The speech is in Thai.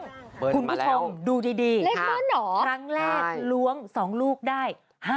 คุณผู้ชมดูดีครั้งแรกล้วง๒ลูกได้๕